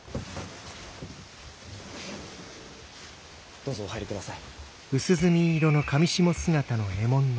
どうぞお入り下さい。